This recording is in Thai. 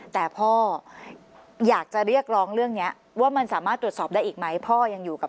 แต่พ่ออยากจะเรียกร้องเรื่องนี้ว่ามันสามารถตรวจสอบได้อีกไหมพ่อยังอยู่กับ